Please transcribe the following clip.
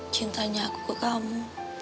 cintanya aku ke kamu